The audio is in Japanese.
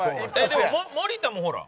でも森田もほら。